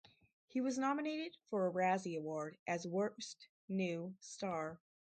He was nominated for a Razzie Award as Worst New Star.